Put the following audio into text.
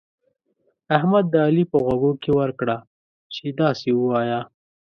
احمد د علي په غوږو کې ورکړه چې داسې ووايه.